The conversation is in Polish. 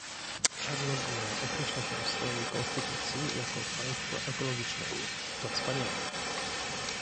Czarnogóra określa się w swojej konstytucji jako państwo ekologiczne, to wspaniale